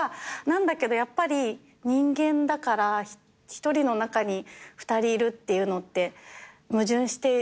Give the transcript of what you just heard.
なんだけどやっぱり人間だから１人の中に２人いるっていうのって矛盾しているから。